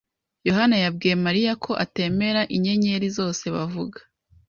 Yohana yabwiye Mariya ko atemera inyenyeri zose bavuga